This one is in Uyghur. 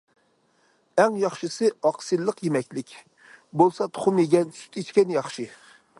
ئەڭ ياخشىسى ئاقسىللىق يېمەكلىك، بولسا تۇخۇم يېگەن، سۈت ئىچكەن ياخشى.